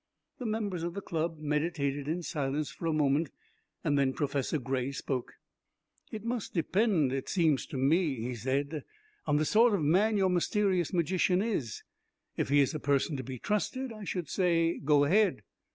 The members of the Club meditated in silence for a moment, and then Professor Gray spoke. "It must depend, it seems to me," he said, "on the sort of a man your mysterious magician is. If he is a person to be trusted, I should say go ahead."